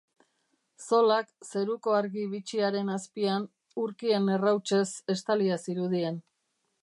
Zolak, zeruko argi bitxi haren azpian, urkien errautsez estalia zirudien.